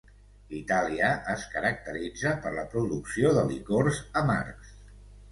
Itàlia es caracteritza per la producció de licors amargs.